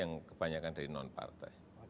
yang muda yang kebanyakan dari non partai